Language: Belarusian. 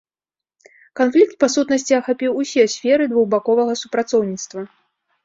Канфлікт па сутнасці ахапіў усе сферы двухбаковага супрацоўніцтва.